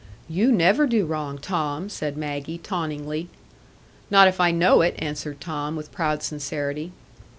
"You never do wrong, Tom," said Maggie, tauntingly. "Not if I know it," answered Tom, with proud sincerity.